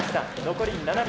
残り７秒。